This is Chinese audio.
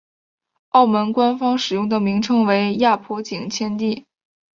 澳门官方使用的名称为亚婆井前地。